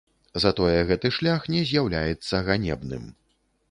Затое гэты шлях не з'яўляецца ганебным.